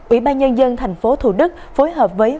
ủy ban nhân dân thành phố thủ đức phối hợp với việt nam